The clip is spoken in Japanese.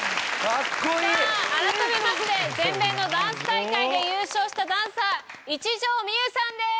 さぁあらためまして全米のダンス大会で優勝したダンサー一条未悠さんです！